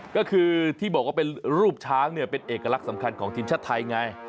ก็คือที่บอกว่าเป็นรูปช้างเนี่ยเป็นเอกลักษณ์สำคัญของทีมชาติไทยไง